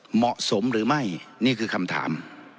เหมาะสมหรือไม่นี่คือคำถาม